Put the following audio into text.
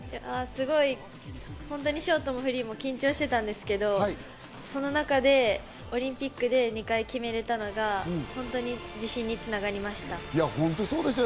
ショートもフリーも緊張してたんですけど、その中でオリンピックで２回決められたのが自信に繋がりました。